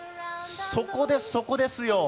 そこです、そこですよ。